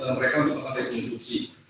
mereka untuk melakukan rekonstruksi